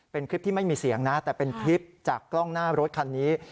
เป็นคลิปที่ไม่มีเสียงนะแต่เป็นคลิปจากกล้องหน้ารถคันนี้